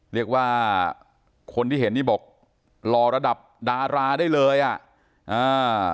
เรียกว่าคนที่เห็นนี่บอกรอระดับดาราได้เลยอ่ะอ่า